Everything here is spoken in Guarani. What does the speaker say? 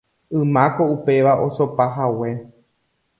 Ymáko upéva osopahague